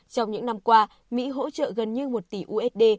trong những năm qua mỹ hỗ trợ gần như một tỷ usd